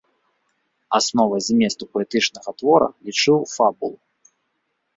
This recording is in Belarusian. Асновай зместу паэтычнага твора лічыў фабулу.